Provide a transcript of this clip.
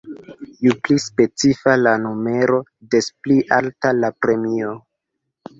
Ju pli specifa la numero, des pli alta la premio.